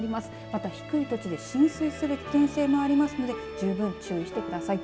また低い土地で浸水する危険性もありますので十分注意してください。